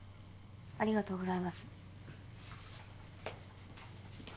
ありがとうございます。